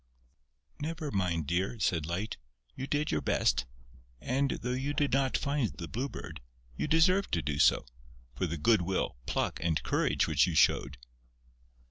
"Never mind, dear," said Light. "You did your best. And, though you did not find the Blue Bird, you deserved to do so, for the good will, pluck and courage which you showed."